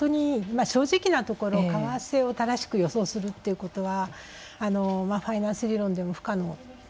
まあ正直なところ為替を正しく予想するということはファイナンス理論でも不可能ということが言われています。